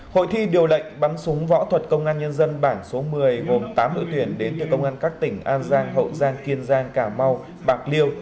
hội thi điều lệnh bắn súng võ thuật công an nhân dân bảng số một mươi gồm tám đội tuyển đến từ công an các tỉnh an giang hậu giang kiên giang cà mau bạc liêu